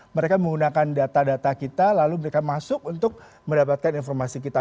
mereka menggunakan data data kita lalu mereka masuk untuk mendapatkan informasi kita